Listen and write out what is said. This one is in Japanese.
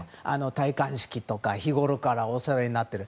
戴冠式とか日ごろからお世話になってる。